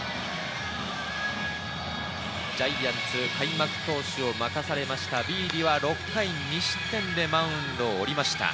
ジャイアンツ開幕投手を任されましたビーディは、６回２失点でマウンドを降りました。